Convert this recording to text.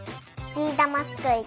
・ビーだますくい。